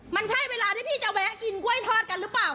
มันใช่เวลาที่พี่จะแวะกินกล้วยทอดกันหรือเปล่า